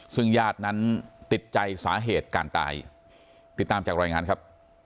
ซึ่งญาตินั้นติดใจสาเหตุการตายติดตามจากรายงานครับ